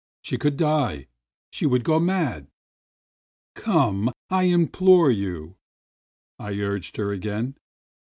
She would die, she would go mad ! "Come, I implore you !" I urged her again.